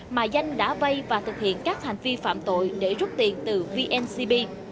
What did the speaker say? mà danh đã vây và thực hiện các hành vi phạm tội để rút tiền từ vncb